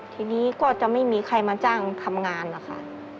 ทีนี้ก็จะไม่มีใครมาจ้างทำงานนะคะ